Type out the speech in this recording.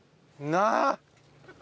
なあ！